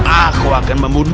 aku akan membunuhmu